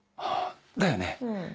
だよね。